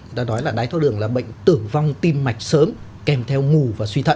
người ta nói là đài tho đường là bệnh tử vong tim mạch sớm kèm theo ngủ và suy thận